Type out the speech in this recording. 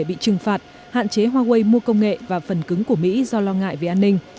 bị trừng phạt hạn chế huawei mua công nghệ và phần cứng của mỹ do lo ngại về an ninh